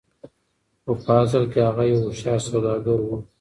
خو په اصل کې هغه يو هوښيار سوداګر و.